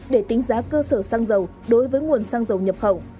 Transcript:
để tính giá cơ sở xăng dầu đối với nguồn xăng dầu nhập khẩu